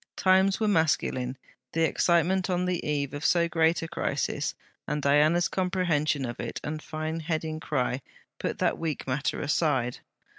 Times were masculine; the excitement on the eve of so great a crisis, and Diana's comprehension of it and fine heading cry, put that weak matter aside.